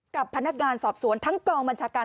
กับพนักงานสอบสวนทั้งกองบัญชาการ